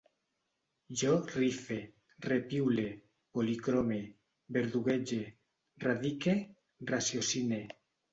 Jo rife, repiule, policrome, verduguege, radique, raciocine